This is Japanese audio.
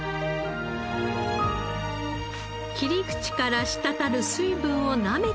切り口から滴る水分をなめてみると。